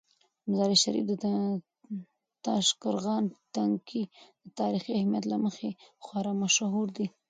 د مزار شریف د تاشقرغان تنګي د تاریخي اهمیت له مخې خورا مشهور دی.